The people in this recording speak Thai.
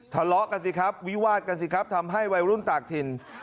ทะเลาะกันสิครับวิวาดกันสิครับทำให้วัยรุ่นต่างถิ่น